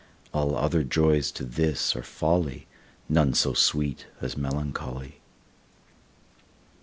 All other joys to this are folly, None so sweet as melancholy.